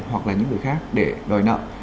hoặc là những người khác để đòi nợ